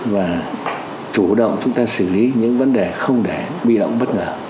và chủ động chúng ta xử lý những vấn đề không để bị động bất ngờ